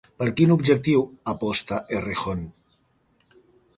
Per quin objectiu aposta Errejón?